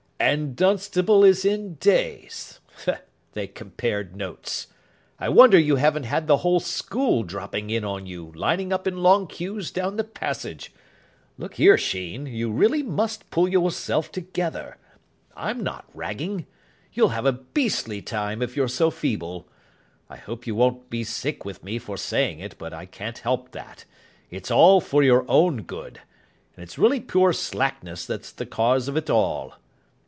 "And Dunstable is in Day's. They compared notes. I wonder you haven't had the whole school dropping in on you, lining up in long queues down the passage. Look here, Sheen, you really must pull yourself together. I'm not ragging. You'll have a beastly time if you're so feeble. I hope you won't be sick with me for saying it, but I can't help that. It's all for your own good. And it's really pure slackness that's the cause of it all."